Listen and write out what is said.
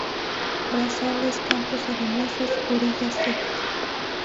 Brezales, campos arenosos, orillas secas.